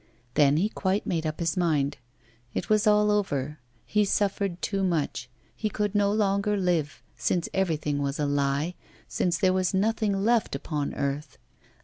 Then he quite made up his mind: it was all over, he suffered too much, he could no longer live, since everything was a lie, since there was nothing left upon earth.